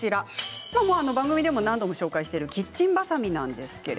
番組でも何度もご紹介しているキッチンばさみです。